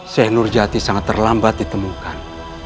seh nurjati sangat terlambat ditemukan